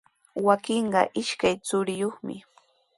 Wawqiiqa ishkay churiyuqmi.